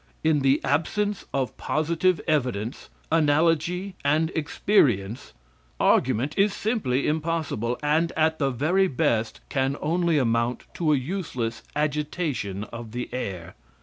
In the absence of positive evidence, analogy and experience, argument is simply impossible, and at the very best, can amount only to a useless agitation of the air.